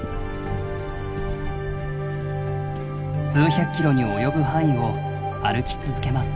数百キロに及ぶ範囲を歩き続けます。